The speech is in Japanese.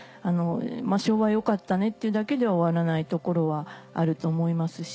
昭和良かったねっていうだけで終わらないところはあると思いますし。